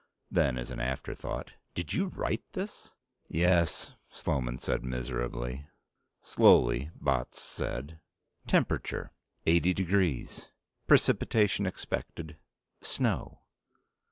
Then, as an afterthought: "Did you write this?" "Yes," said Sloman miserably. Slowly, Botts said, "Temperature, eighty degrees. Precipitation expected: snow.